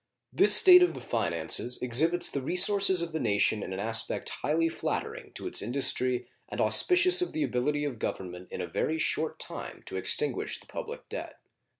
This state of the finances exhibits the resources of the nation in an aspect highly flattering to its industry and auspicious of the ability of Government in a very short time to extinguish the public debt.